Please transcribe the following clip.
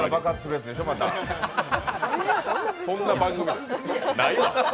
そんな番組ないわ。